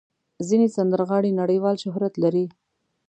ځینې سندرغاړي نړیوال شهرت لري.